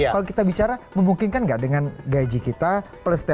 kalau kita bicara memungkinkan nggak dengan gaji kita plus